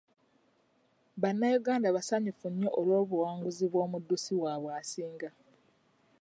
Bannayuganda basanyufu nnyo olw'obuwanguzi bw'omuddusi waabwe asinga.